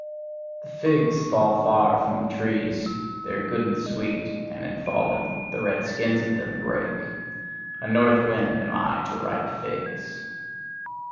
The figs fall from the trees, they are good and sweet; and in falling the red skins of them break. A north wind am I to ripe figs.